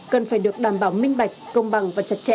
cần phải được đảm bảo minh bạch công bằng và chặt chẽ